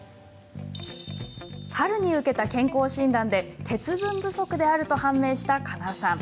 春に受けた健康診断で鉄分不足であると判明した叶さん。